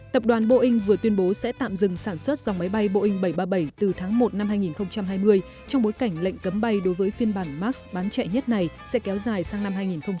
tập đoàn boeing vừa tuyên bố sẽ tạm dừng sản xuất dòng máy bay boeing bảy trăm ba mươi bảy từ tháng một năm hai nghìn hai mươi trong bối cảnh lệnh cấm bay đối với phiên bản max bán chạy nhất này sẽ kéo dài sang năm hai nghìn hai mươi